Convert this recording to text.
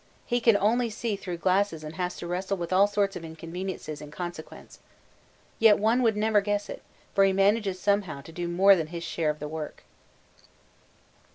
He can only see through glasses and has to wrestle with all sorts of inconveniences in consequence. Yet one could never guess it for he manages somehow to do more than his share of the work.